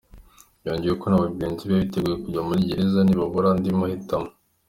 Yongeyeho ko na bagenzi be biteguye kujya muri gereza nibabura andi mahitamo.